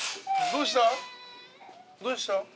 どうした？